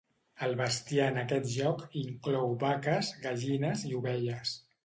El bestiar en aquest joc inclou vaques, gallines i ovelles.